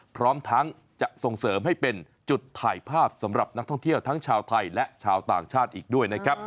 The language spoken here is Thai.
พร้อมทั้งจะส่งเสริมให้เป็นจุดถ่ายภาพสำหรับนักท่องเที่ยวทั้งชาวไทยและชาวต่างชาติอีกด้วยนะครับ